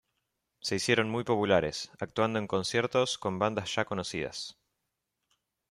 Se hicieron muy populares, actuando en conciertos con bandas ya conocidas.